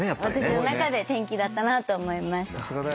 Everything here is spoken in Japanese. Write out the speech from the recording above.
私の中で転機だったなと思います。